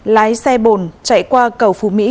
lái xe bồn chạy qua cầu phú mỹ